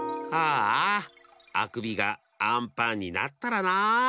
ああくびがあんパンになったらなあ。